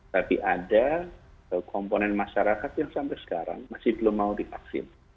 tapi ada komponen masyarakat yang sampai sekarang masih belum mau divaksin